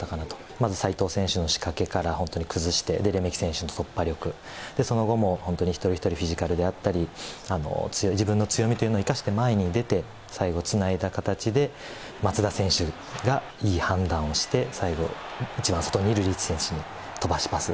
まず、齋藤選手の仕掛けから、本当に崩して、レメキ選手の突破力、その後も本当に一人一人、フィジカルであったり、自分の強みっていうのを生かして前に出て、最後つないだ形で、松田選手がいい判断をして、最後、一番外にいるリーチ選手に飛ばしパス。